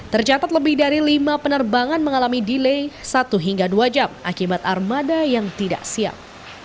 tercatat lebih dari lima penerbangan mengalami delay satu hingga dua jam akibat armada yang tidak siap